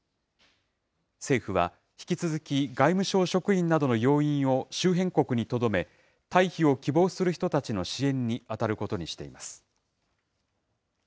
政府は、引き続き外務省職員などの要員を周辺国にとどめ、退避を希望する人たちの支援に当たることにしています。